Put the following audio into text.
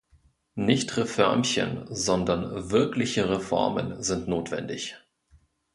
Nicht Reförmchen, sondern wirkliche Reformen sind notwendig.